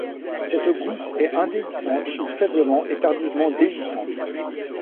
Cette gousse est indéhiscente ou faiblement et tardivement déhiscente.